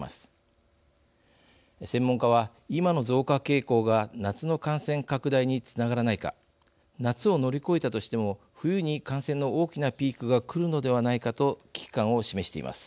専門家は今の増加傾向が夏の感染拡大につながらないか夏を乗り越えたとしても冬に感染の大きなピークがくるのではないかと危機感を示しています。